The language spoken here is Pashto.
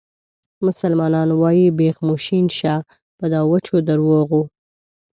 مسلمانان وایي بیخ مو شین شه په دا وچو درواغو.